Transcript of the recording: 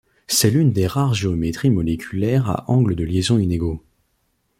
C'est l'une des rares géométries moléculaires à angles de liaison inégaux.